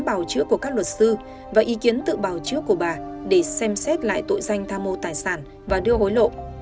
bảo chứa của các luật sư và ý kiến tự bảo chứa của bà để xem xét lại tội danh tha mô tài sản và đưa hối lộ